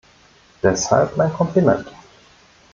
Deshalb mein Kompliment.